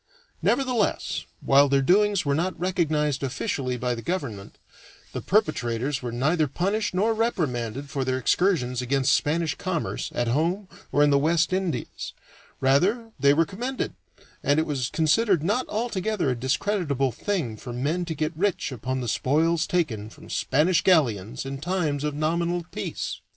Nevertheless, while their doings were not recognized officially by the government, the perpetrators were neither punished nor reprimanded for their excursions against Spanish commerce at home or in the West Indies; rather were they commended, and it was considered not altogether a discreditable thing for men to get rich upon the spoils taken from Spanish galleons in times of nominal peace.